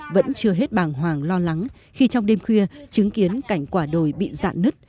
vẫn chưa hết bàng hoàng lo lắng khi trong đêm khuya chứng kiến cảnh quả đồi bị dạn nứt